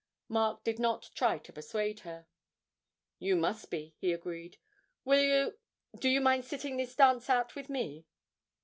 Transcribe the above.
Mark did not try to persuade her. 'You must be,' he agreed. 'Will you do you mind sitting this dance out with me?'